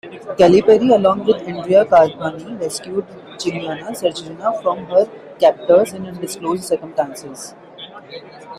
Calipari, along with Andrea Carpani, rescued Giuliana Sgrena from her captors, in undisclosed circumstances.